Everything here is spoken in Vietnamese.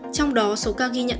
trong đó số ca ghi nhận